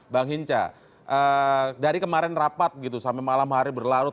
bang hinca dari kemarin rapat gitu sampai malam hari berlarut